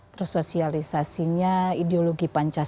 tersosialisasinya ideologi pancasila